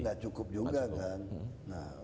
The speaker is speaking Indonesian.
gak cukup juga kan